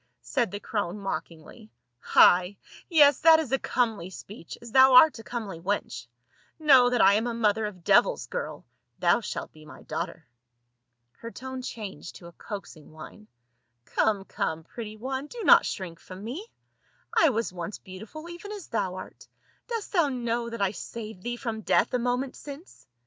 said the crone IN THE TEMPLE OF BAAL. 89 mockingly. " Hi — yes, that is a comely speech as thou art a comely wench. Know that I am a mother of devils, girl, thou shalt be my daughter." Her tone changed to a coaxing whine, " Come, come, pretty one, do not shrink from me, I was once beautiful even as thou art. Dost thou know that I saved thee from death a moment since